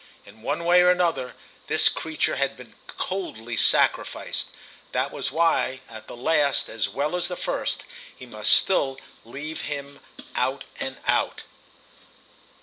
In one way or another this creature had been coldly sacrificed. That was why at the last as well as the first he must still leave him out and out.